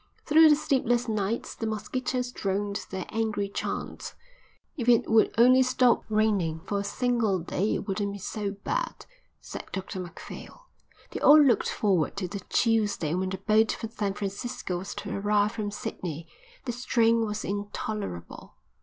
Through the sleepless nights the mosquitoes droned their angry chant. "If it would only stop raining for a single day it wouldn't be so bad," said Dr Macphail. They all looked forward to the Tuesday when the boat for San Francisco was to arrive from Sydney. The strain was intolerable.